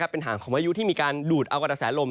เป็นห่างของพายุที่มีการดูดเอากระแสลม